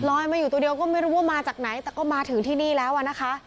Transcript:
มาอยู่ตัวเดียวก็ไม่รู้ว่ามาจากไหนแต่ก็มาถึงที่นี่แล้วอะนะคะ